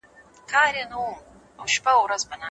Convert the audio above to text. ایا لابراتواري څېړني د ریاضي په علومو کي کيږي؟